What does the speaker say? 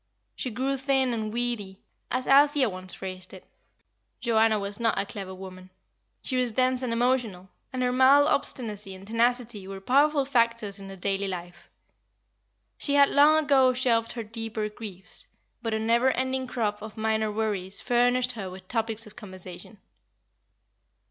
She grew thin and weedy, as Althea once phrased it. Joanna was not a clever woman; she was dense and emotional, and her mild obstinacy and tenacity were powerful factors in her daily life. She had long ago shelved her deeper griefs; but a never ending crop of minor worries furnished her with topics of conversation.